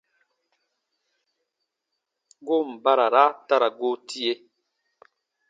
Goon barara ta ra goo tie.